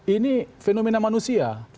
ini fenomena manusia